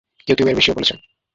কেউ কেউ এর বেশিও বলেছেন।